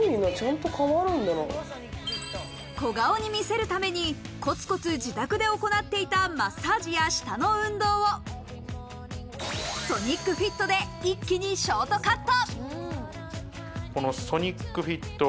小顔に見せるためにコツコツ自宅で行っていたマッサージや舌の運動をソニックフィットで一気にショートカット。